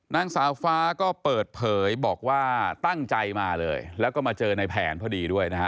นางสาวฟ้าก็เปิดเผยบอกว่าตั้งใจมาเลยแล้วก็มาเจอในแผนพอดีด้วยนะฮะ